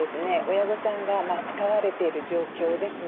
親御さんが使われている状況ですね。